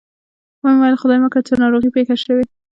و مې ویل خدای مه کړه څه ناروغي پېښه شوې.